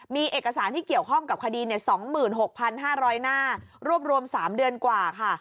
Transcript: มีเอกสารที่เกี่ยวข้องกับคดี๒๖๕๐๐หน้ารวบรวม๓เดือนกว่าค่ะ